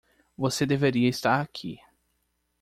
Você deveria estar aqui.